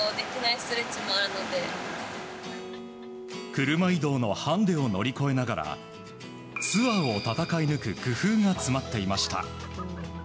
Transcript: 車移動のハンデを乗り越えながらツアーを戦い抜く工夫が詰まっていました。